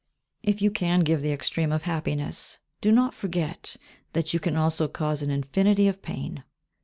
If you can give the extreme of happiness, do not forget that you can also cause an infinity of pain.